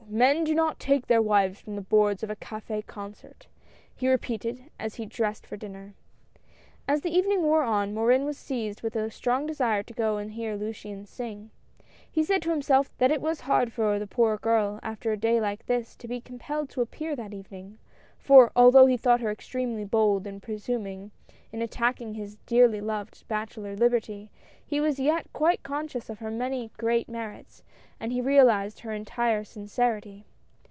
men do not take their wives from the boards of a cafe concert he repeated, as he dressed for dinner. As the evening wore on, Morin was seized with a strong desire to go and hear Luciane sing. He said to himself that it was hard for the poor girl after a day like this, to be compelled to appear that evening ; for, although he thought her extremely bold and presuming A SURPRISE. 179 in attacking his dearly loved bachelor liberty, he was yet quite conscious of her many great merits, and he realized her entire sincerity.